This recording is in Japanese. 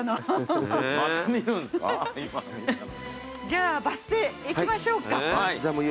じゃあバス停行きましょうか。